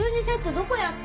どこやった？